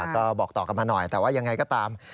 ก็บอกต่อกันมาหน่อยแต่ว่ายังไงก็ตาม